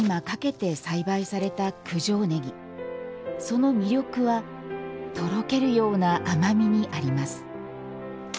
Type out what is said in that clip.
その魅力は、とろけるような甘みにあります。